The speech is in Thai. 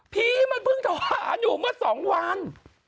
พี่มันเพิ่งทอดอยู่เมื่อสองวัน